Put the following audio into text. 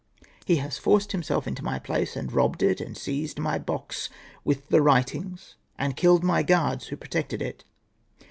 He has forced himself into my place, and robbed it, and seized my box with the writings, and killed my guards who protected it.'